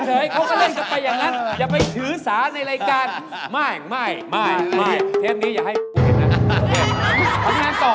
ทำงานต่อครับผม